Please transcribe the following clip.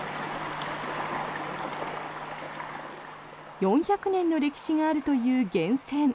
４００年の歴史があるという源泉。